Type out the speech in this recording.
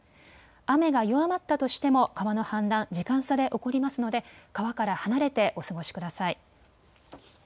雨が弱まったとしても川の氾濫、時間差で起こりますので川から離れてお過ごしください。